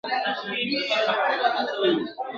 یو تعویذ درڅخه غواړمه غښتلی ..